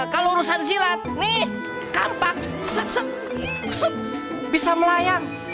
kalau urusan silat nih kampak bisa melayang